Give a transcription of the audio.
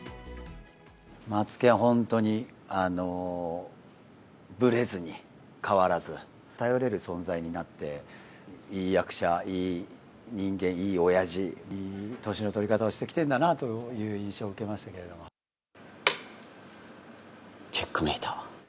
松ケン、本当にぶれずに、変わらず、頼れる存在になって、いい役者、いい人間、いいおやじ、いい年の取り方をしてきてるんだなという印象を受けチェックメイト。